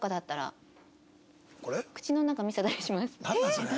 それ。